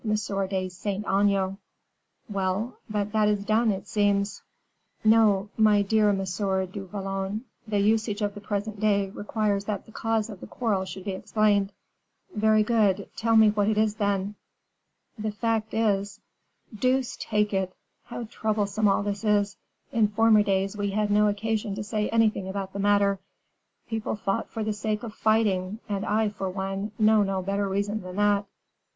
de Saint Aignan." "Well, but that is done, it seems." "No, my dear M. du Vallon, the usage of the present day requires that the cause of the quarrel should be explained." "Very good. Tell me what it is, then." "The fact is " "Deuce take it! how troublesome all this is! In former days we had no occasion to say anything about the matter. People fought for the sake of fighting; and I, for one, know no better reason than that."